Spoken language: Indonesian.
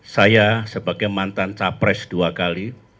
saya sebagai mantan capres dua kali